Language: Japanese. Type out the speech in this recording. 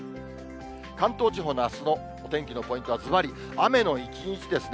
関東地方のあすのお天気のポイントはずばり、雨の一日ですね。